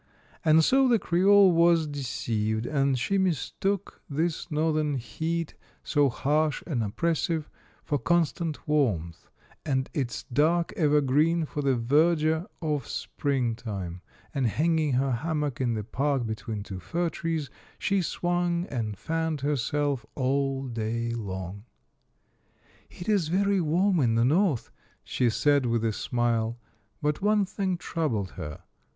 And so the Creole was deceived, and she mistook this The Mirror, 301 northern heat, so harsh and oppressive, for constant warmth, and its dark evergreen for the verdure of spring time, and hanging her hammock in the park between two fir trees she swung and fanned herself all day long. " It is very warm in the North," she said with a smile. But one thing troubled her.